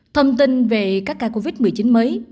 thông tin về các ca covid một mươi chín mới